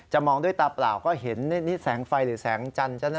มองด้วยตาเปล่าก็เห็นนี่แสงไฟหรือแสงจันทร์ใช่ไหม